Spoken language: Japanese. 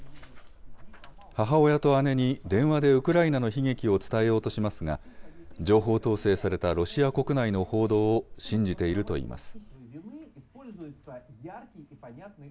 母親と姉に電話でウクライナの悲劇を伝えようとしますが、情報統制されたロシア国内の報道を信じているといいます。